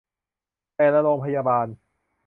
แต่ละโรงพยาบาล